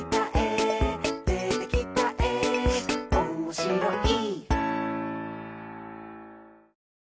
「でてきたえおもしろい」